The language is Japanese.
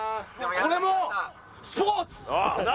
これもスポーツ？